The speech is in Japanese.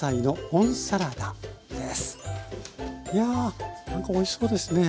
いやなんかおいしそうですね。